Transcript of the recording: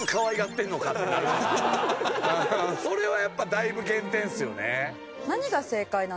それはやっぱだいぶ減点ですよね。